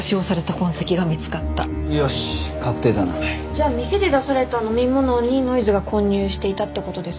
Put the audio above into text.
じゃあ店で出された飲み物にノイズが混入していたって事ですか？